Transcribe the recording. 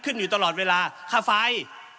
อยู่ตลอดเวลาค่าไฟ